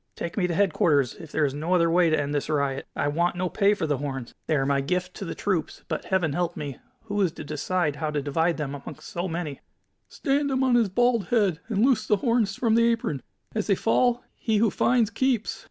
Take me to headquarters, if there is no other way to end this riot. I want no pay for the horns. They are my gift to the troops, but, Heaven help me! who is to decide how to divide them amongst so many?" "Stand him on his bald head, and loose the horns from the apron. As they fall, he who finds keeps!"